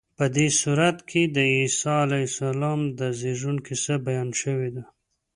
په دې سورت کې د عیسی علیه السلام د زېږون کیسه بیان شوې ده.